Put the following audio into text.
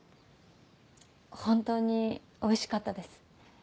本当においしかったです。